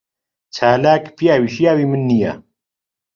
چالاک پیاوی شیاوی من نییە.